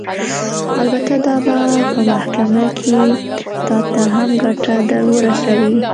البته دا به په محکمه کښې تا ته هم ګټه درورسوي.